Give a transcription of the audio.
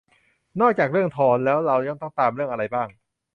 นอกจากเรื่องฌอนแล้วเรายังต้องตามเรื่องอะไรบ้าง